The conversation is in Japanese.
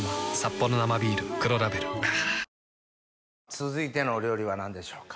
続いてのお料理は何でしょうか。